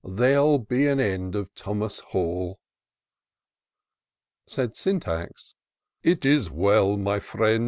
There'll be an end of Thomas Halir Said Syntax, It is well, my friend.